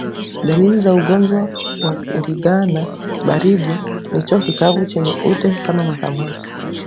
Dalili za ugonjwa wa ndigana baridi ni choo kikavu chenye ute kama makamasi